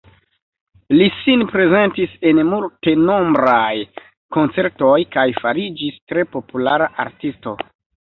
Li sin prezentis en multenombraj koncertoj kaj fariĝis tre populara artisto.